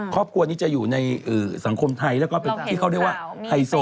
ครอบครัวนี้จะอยู่ในสังคมไทยแล้วก็เป็นที่เขาเรียกว่าไฮโซ